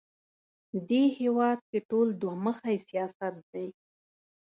دې هېواد کې ټول دوه مخی سیاست دی